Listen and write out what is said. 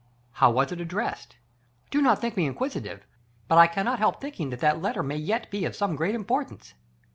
" How was it addressed ? Do not think me inquisitive, but I cannot help thinking that that letter may yet be of some great importance."